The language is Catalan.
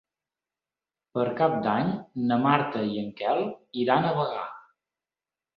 Per Cap d'Any na Marta i en Quel iran a Bagà.